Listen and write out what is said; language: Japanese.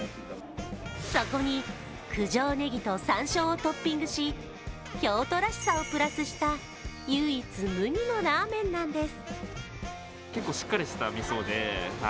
そこに九条ねぎとさんしょうをトッピングし京都らしさをプラスした唯一無二のラーメンなんです。